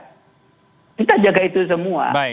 kita jaga itu semua